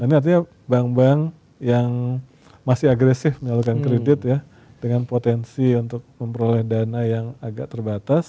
ini artinya bank bank yang masih agresif menyalurkan kredit ya dengan potensi untuk memperoleh dana yang agak terbatas